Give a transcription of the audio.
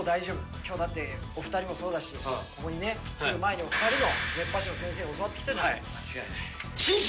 きょう、だってお２人もそうだし、ここにね、目の前に２人の熱波師の先生に教わってきたじゃない。